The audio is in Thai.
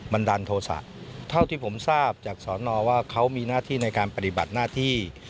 ันดาลโทษะเท่าที่ผมทราบจากสอนอว่าเขามีหน้าที่ในการปฏิบัติหน้าที่